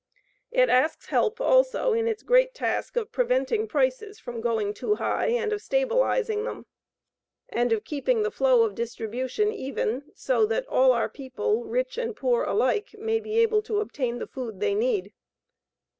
It asks help, also, in its great task of preventing prices from going too high and of stabilizing them, and of keeping the flow of distribution even, so that all our people, rich and poor alike, may be able to obtain the food they need.